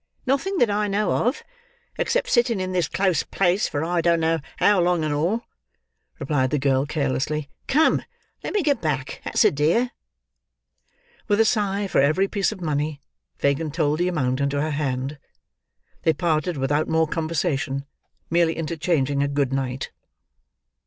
"Nothing that I know of, except sitting in this close place for I don't know how long and all," replied the girl carelessly. "Come! Let me get back; that's a dear." With a sigh for every piece of money, Fagin told the amount into her hand. They parted without more conversation, merely interchanging a "good night."